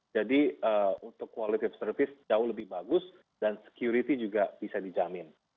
untuk quality of service jauh lebih bagus dan security juga bisa dijamin